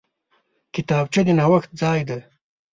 کتابچه د نوښت ځای دی